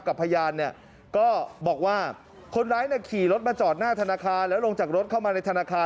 พยานเนี่ยก็บอกว่าคนร้ายขี่รถมาจอดหน้าธนาคารแล้วลงจากรถเข้ามาในธนาคาร